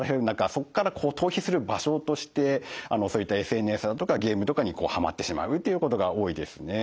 そこから逃避する場所としてそういったＳＮＳだとかゲームとかにはまってしまうっていうことが多いですね。